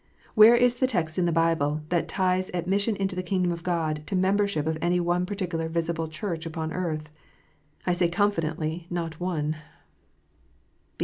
Where is the text in the Bible that ties admission into the kingdom of God to the membership of any one particular visible Church upon earth? I say confidently, not one.